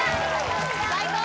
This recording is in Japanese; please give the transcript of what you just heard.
最高！